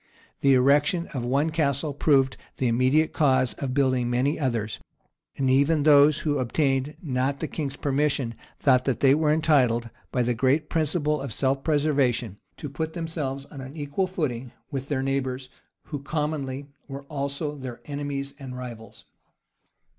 The erection of one castle proved the immediate cause of building many others; and even those who obtained not the king's permission, thought that they were entitled, by the great principle of self preservation, to put themselves on an equal footing with their neighbors, who commonly were also their enemies and rivals.